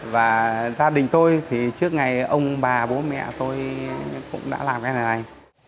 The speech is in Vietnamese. và gia đình tôi thì trước ngày ông bà bố mẹ tôi cũng đã làm cái này